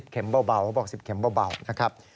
๑๐เข็มเบา